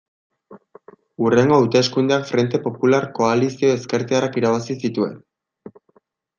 Hurrengo hauteskundeak Frente Popular koalizio ezkertiarrak irabazi zituen.